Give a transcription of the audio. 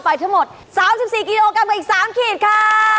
ทั้งหมด๓๔กิโลกรัมอีก๓ขีดค่ะ